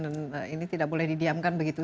dan ini tidak boleh didiamkan begitu